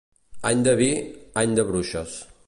Any de vi, any de bruixes.